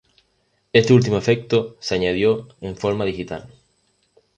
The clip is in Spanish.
Este último efecto se añadió en forma digital.